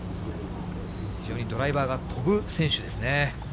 非常にドライバーが飛ぶ選手ですね。